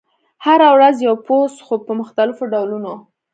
هره ورځ یو پوسټ، خو په مختلفو ډولونو: